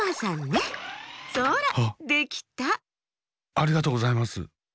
ありがとうございます。